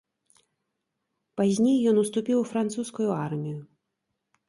Пазней ён уступіў у французскую армію.